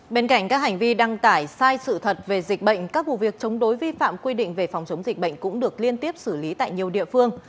bên cạnh các hành vi đăng tải sai sự thật về dịch bệnh các vụ việc chống đối vi phạm quy định về phòng chống dịch bệnh cũng được liên tiếp xử lý tại nhiều địa phương